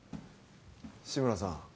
志村さん